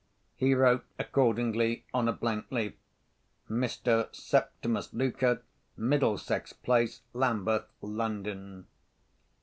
He wrote accordingly on a blank leaf—"Mr. Septimus Luker, Middlesex place, Lambeth, London."